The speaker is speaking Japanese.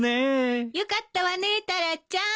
よかったわねタラちゃん。